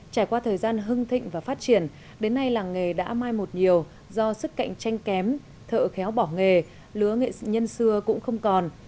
trải qua thời gian hưng thịnh và phát triển đến nay làng nghề đã mai một nhiều do sức cạnh tranh kém thợ khéo bỏ nghề lứa nghệ nhân xưa cũng không còn